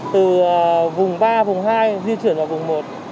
từ vùng ba vùng hai di chuyển ở vùng một